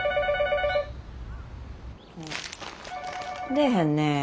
☎出えへんね。